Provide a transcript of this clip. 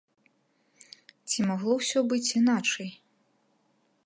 Ці магло ўсё быць іначай?